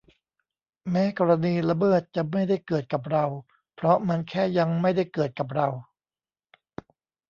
แม้กรณีละเมิดจะไม่ได้เกิดกับเรา เพราะมันแค่ "ยัง" ไม่ได้เกิดกับเรา